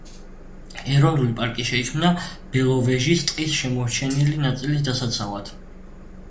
ეროვნული პარკი შეიქმნა ბელოვეჟის ტყის შემორჩენილი ნაწილის დასაცავად.